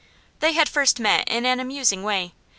They had first met in an amusing way.